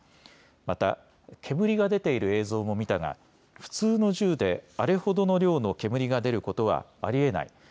また煙が出ている映像も見たが普通の銃であれほどの量の煙が出ることはありえない。